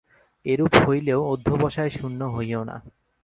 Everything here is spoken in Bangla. এরূপ হইলেও অধ্যবসায়শূন্য হইও না।